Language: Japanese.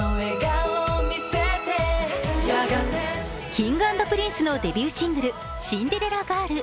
Ｋｉｎｇ＆Ｐｒｉｎｃｅのデビューシングル「シンデレラガール」。